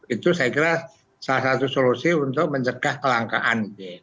itu saya kira salah satu solusi untuk mencegah kelangkaan